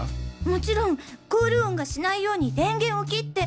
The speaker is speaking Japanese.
もちろんコール音がしないように電源を切って。